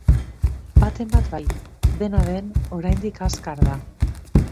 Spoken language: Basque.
Baten bat bai, dena den, oraindik azkar da.